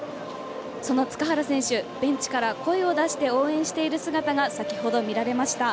その塚原選手ベンチから声を出して応援している姿が先ほど見られました。